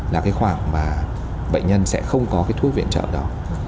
là cái khoảng mà bệnh nhân sẽ không có cái thuốc viện trợ đó